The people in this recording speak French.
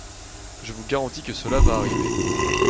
Je vous garantis que cela va arriver.